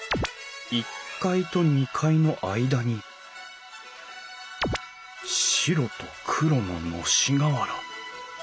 １階と２階の間に白と黒ののし瓦。